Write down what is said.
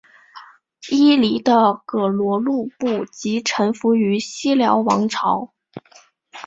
伊犁的葛逻禄部即臣服于西辽王朝。